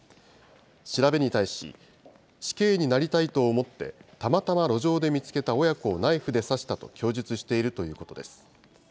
調べに対し、死刑になりたいと思って、たまたま路上で見つけた親子をナイフで刺したと供述しているということです。